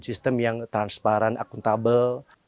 sistem yang transparan akuntabel